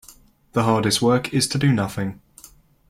The hardest work is to do nothing.